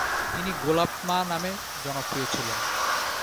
তিনি গোলাপ মা নামে জনপ্রিয় ছিলেন।